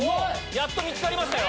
やっと見つかりましたよ